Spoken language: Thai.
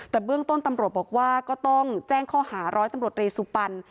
แต่เบื้องต้นตำรวจบอกว่าก็ต้องแจ้งข้อหาร้อยตำรวจรีสุปัน